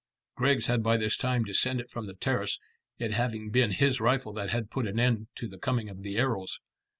Griggs had by this time descended from the terrace, it having been his rifle that had put an end to the coming of the arrows.